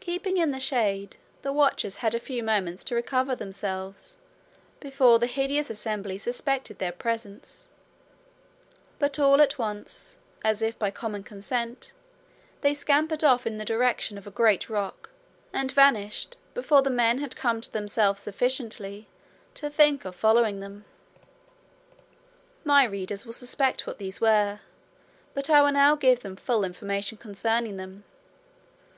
Keeping in the shade, the watchers had a few moments to recover themselves before the hideous assembly suspected their presence; but all at once, as if by common consent, they scampered off in the direction of a great rock, and vanished before the men had come to themselves sufficiently to think of following them. My readers will suspect what these were; but I will now give them full information concerning them.